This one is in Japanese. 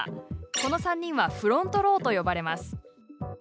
この３人はフロントローと呼ばれます。